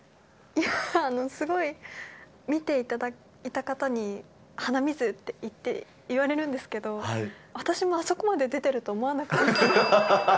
いや、すごい見ていただいた方に鼻水って言われるんですけど、私もあそこまで出てると思わなかったです。